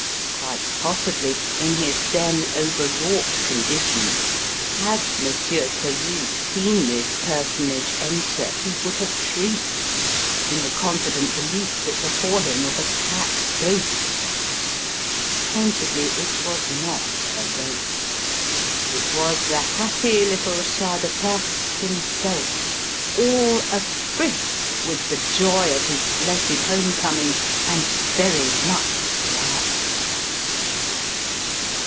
Quite possibly, in his then overwrought condition, had Monsieur Peloux seen this personage enter he would have shrieked in the confident belief that before him was a cat ghost! Pointedly, it was not a ghost. It was the happy little Shah de Perse himself all a frisk with the joy of his blessed home coming and very much alive!